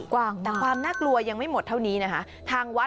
กว้างมากความน่ากลัวยังไม่หมดเท่านี้นะคะความน่ากลัวยังไม่หมดเท่านี้นะคะ